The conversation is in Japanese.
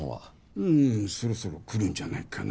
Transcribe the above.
うんそろそろ来るんじゃないかな。